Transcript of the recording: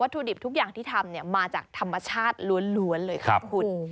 ถุดิบทุกอย่างที่ทำมาจากธรรมชาติล้วนเลยครับคุณ